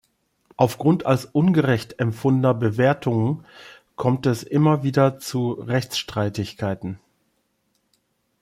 Aufgrund als ungerecht empfundener Bewertungen kommt es immer wieder zu Rechtsstreitigkeiten.